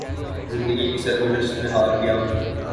زندگی کی سرگزشت میں ہار گیا ہوں۔